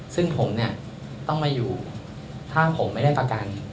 ซึ่งผมเนี่ยต้องมาอยู่ถ้าผมไม่ได้ประกัน